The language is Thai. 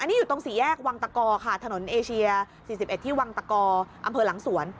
นี่อยู่ตรงสี่แยกวังตะกอค่ะถนนเอเชีย๔๑ที่วังตะกออำเภอหลังสวน